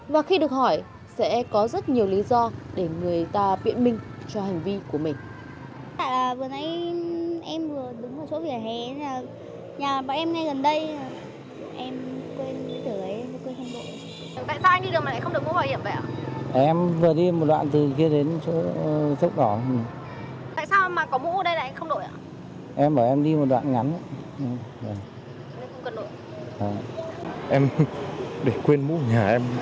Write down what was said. và khi được hỏi sẽ có rất nhiều lý do để người ta biện minh cho hành vi của mình